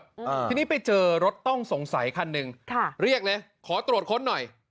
อ่าทีนี้ไปเจอรถต้องสงสัยคันหนึ่งค่ะเรียกเลยขอตรวจค้นหน่อย